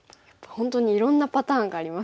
本当にいろんなパターンがありますね。